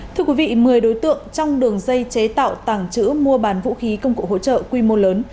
thưa quý vị một mươi đối tượng trong đường dây chế tạo tàng trữ mua bán vũ khí công cụ hỗ trợ quy mô lớn